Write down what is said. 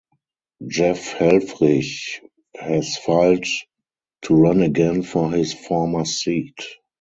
Jeff Helfrich has filed to run again for his former seat.